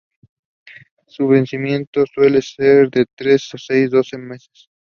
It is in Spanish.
Su vencimiento suele ser de tres, seis o doce meses.